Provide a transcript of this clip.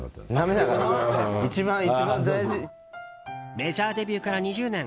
メジャーデビューから２０年